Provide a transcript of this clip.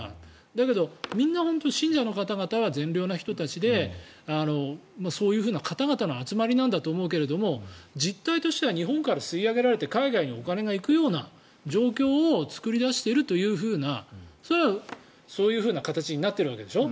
だけどみんな本当に信者の方々は善良な人たちでそういうふうな方々の集まりなんだと思うけれども実態としては日本から吸い上げられて海外にお金が行くような状況を作り出しているというふうなそれはそういうふうな形になっているわけでしょ。